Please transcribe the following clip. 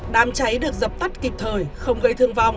đám cháy được dập tắt kịp thời không gây thương vong